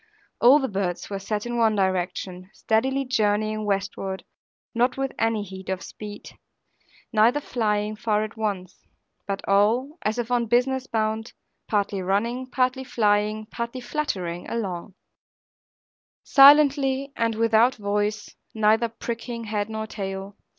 All the birds were set in one direction, steadily journeying westward, not with any heat of speed, neither flying far at once; but all (as if on business bound), partly running, partly flying, partly fluttering along; silently, and without a voice, neither pricking head nor tail.